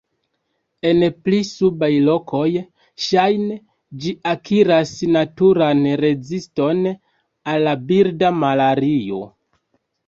En pli subaj lokoj, ŝajne ĝi akiras naturan reziston al la birda malario.